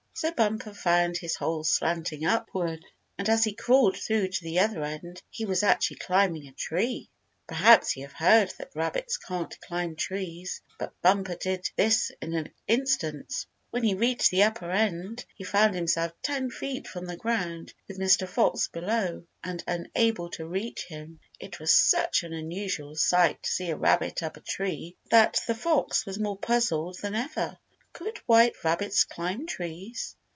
So Bumper found his hole slanting upward, and as he crawled through to the other end he was actually climbing a tree. Perhaps you have heard that rabbits can't climb trees, but Bumper did in this instance. When he reached the upper end, he found himself ten feet from the ground, with Mr. Fox below and unable to reach him. It was such an unusual sight to see a rabbit up a tree that the fox was more puzzled than ever. "Could white rabbits climb trees?"